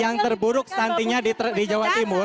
yang terburuk stuntingnya di jawa timur